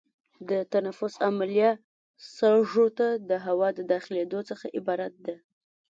د تنفس عملیه سږو ته د هوا د داخلېدو څخه عبارت ده.